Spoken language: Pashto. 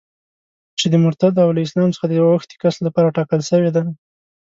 چي د مرتد او له اسلام څخه د اوښتي کس لپاره ټاکله سوې ده.